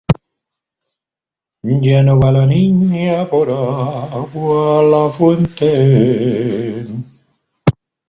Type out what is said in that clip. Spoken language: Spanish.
Koichi Maeda